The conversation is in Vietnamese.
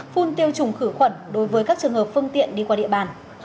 phun tiêu khử khuẩn đối với các trường hợp phương tiện đi qua địa bàn